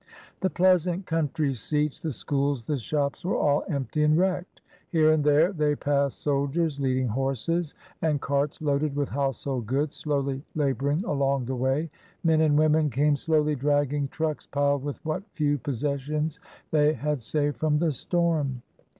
The pleasant country seats, the schools, the shops were all empty and wrecked. Here and there they passed soldiers leading horses; and carts, loaded with household goods, slowly labouring along the way. Men and women came slowly dragging trucks piled with what few possessions they had saved from the storm.